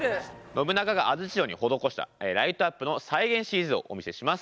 信長が安土城に施したライトアップの再現ＣＧをお見せします。